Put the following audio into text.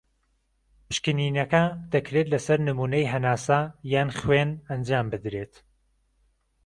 پشکنینەکە دەکرێت لە سەر نمونەی هەناسە یان خوێن ئەنجام بدرێت.